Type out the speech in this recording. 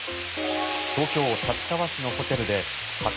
東京・立川市のホテルで派遣